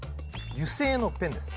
油性のペンです